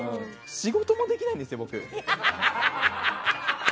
仕事もできないんですよ、僕。